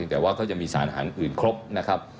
แต่ว่าก็จะมีสารอาหารอื่นครบนะครับ